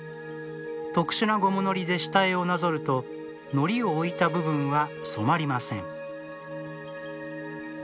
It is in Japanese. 特殊なゴム糊で下絵をなぞると糊を置いた部分は染まりません